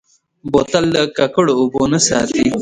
بوتل د ککړو اوبو نه ساتي.